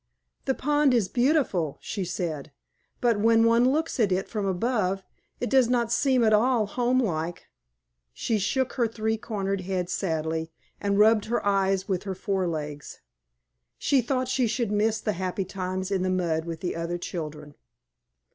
"The pond is beautiful," she said; "but when one looks at it from above, it does not seem at all homelike." She shook her three cornered head sadly, and rubbed her eyes with her forelegs. She thought she should miss the happy times in the mud with the other children.